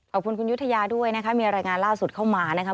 ขอบคุณคุณยุธยาด้วยนะคะมีรายงานล่าสุดเข้ามานะครับ